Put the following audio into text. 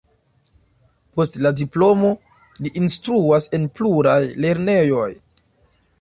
Post la diplomo li instruas en pluraj lernejoj.